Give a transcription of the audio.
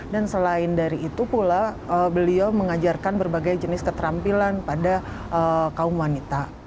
dan selain dari itu pula beliau mengajarkan berbagai jenis keterampilan pada kaum wanita